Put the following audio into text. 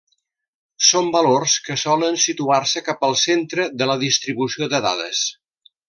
Són valors que solen situar-se cap al centre de la distribució de dades.